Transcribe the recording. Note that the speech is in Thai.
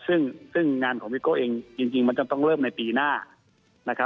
ซึ่งงานของพี่โก้เองจริงมันจะต้องเริ่มในปีหน้านะครับ